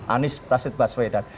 anis prasid baswedan